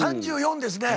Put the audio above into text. ３４ですね。